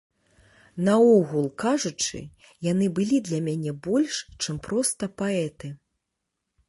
Наогул кажучы, яны былі для мяне больш, чым проста паэты.